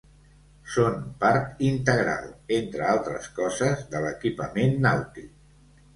Són part integral, entre altres coses, de l'equipament nàutic.